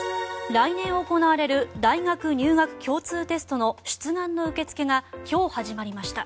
来年行われる大学入学共通テストの出願の受け付けが今日、始まりました。